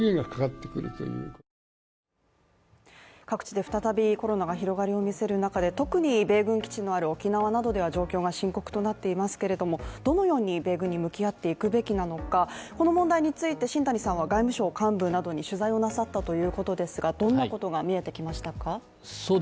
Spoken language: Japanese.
各地で再びコロナが広がりを見せる中で特に米軍基地のある沖縄などでは状況が深刻となっていますけれども、どのように米軍に向き合っていくべきなのか、この問題について新谷さんは外務省幹部などに取材をなさったということですがどんなことが見えてきましたか。